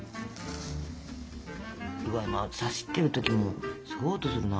うわっ刺してる時もすごい音するな。